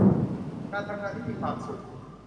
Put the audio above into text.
การทำงานที่มีความสุข